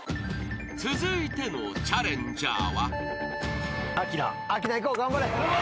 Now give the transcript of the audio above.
［続いてのチャレンジャーは］